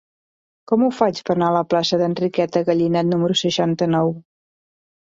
Com ho faig per anar a la plaça d'Enriqueta Gallinat número seixanta-nou?